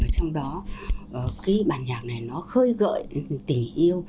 trong đó cái bản nhạc này nó khơi gợi tình yêu